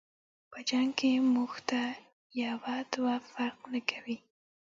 په جنګ کی مونږ ته یو دوه فرق نکوي.